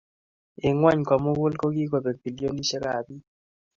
Eng ngwony komugul kokikobek bilionisiekab bik